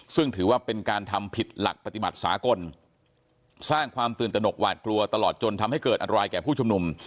ซึ่งถือว่าเป็นการทำผิดหลักปฏิบัติสากลสร้างความตื่นตนกหวาดกลัวตลอดจนทำให้เกิดอันตรายแก่ผู้ชุมนุม